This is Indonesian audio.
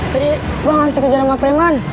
jadi gue gak usah kejar sama preman